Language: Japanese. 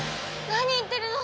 何言ってるの！